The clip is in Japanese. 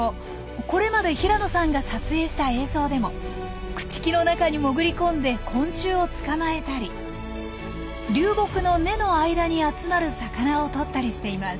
これまで平野さんが撮影した映像でも朽ち木の中に潜り込んで昆虫を捕まえたり流木の根の間に集まる魚をとったりしています。